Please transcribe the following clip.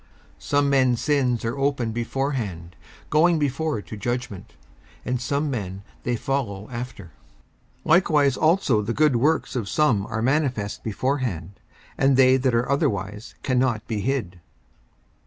54:005:024 Some men's sins are open beforehand, going before to judgment; and some men they follow after. 54:005:025 Likewise also the good works of some are manifest beforehand; and they that are otherwise cannot be hid.